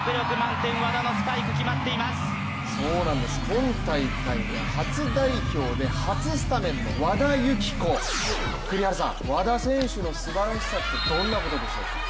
今大会、初代表で初スタメンの和田由紀子、栗原さん、和田選手のすばらしさって何でしょう？